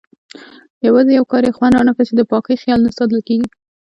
یوازې یو کار یې خوند رانه کړ چې د پاکۍ خیال نه ساتل کېږي.